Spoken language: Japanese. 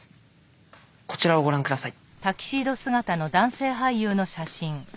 こちらをご覧下さい。